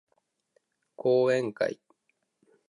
講演会